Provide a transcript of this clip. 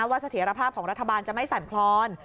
เสถียรภาพของรัฐบาลจะไม่สั่นคลอน